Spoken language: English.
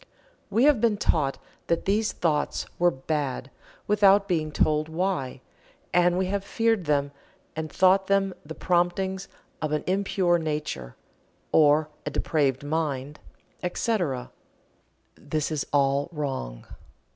We have been taught that these thoughts were "bad" without being told why, and we have feared them and thought them the promptings of an impure nature, or a depraved mind, etc. This is all wrong.